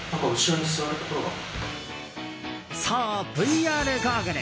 そう、ＶＲゴーグル。